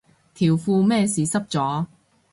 條褲咩事濕咗